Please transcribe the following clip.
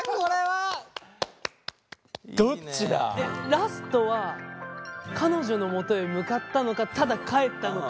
ラストは彼女のもとへ向かったのかただ帰ったのか。